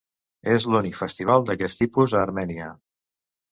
És l'únic festival d'aquest tipus a Armènia.